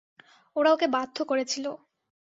ওরা ওকে বাধ্য করেছিল।